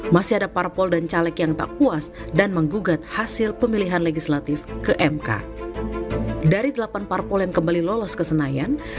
tetapi lucu kalau sebuah pemerintah itu tidak ada oposisinya